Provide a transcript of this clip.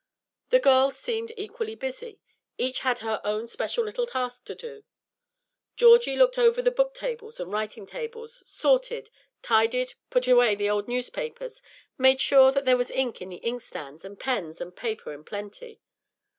The girls seemed equally busy. Each had her own special little task to do. Georgie looked over the book tables and writing tables; sorted, tidied, put away the old newspapers; made sure that there was ink in the inkstands and pens and paper in plenty.